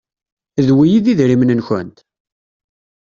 D wi i d idrimen-nkent?